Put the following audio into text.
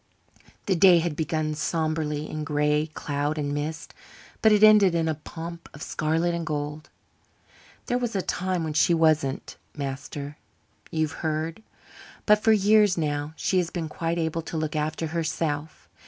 The day had begun sombrely in gray cloud and mist, but it ended in a pomp of scarlet and gold. "There was a time when she wasn't, master you've heard? But for years now she has been quite able to look after herself.